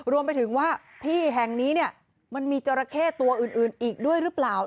รวมไปถึงว่าที่แห่งนี้เนี่ยมันมีจราเข้ตัวอื่นอีกด้วยหรือเปล่า